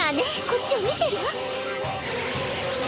こっちを見てるわ。